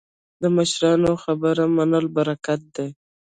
د مشرانو خبره منل برکت دی